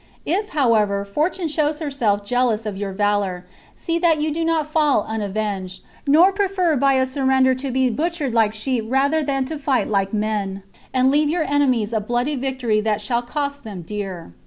If, however, fortune shows herself jealous of your valour, see that you do not fall unavenged, nor prefer by a surrender to be butchered like sheep rather than to fight like men, and leave your enemies a bloody vic tory that shall cost them dear."